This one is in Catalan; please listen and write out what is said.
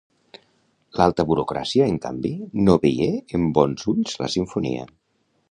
L'alta burocràcia, en canvi, no veié en bons ulls la simfonia.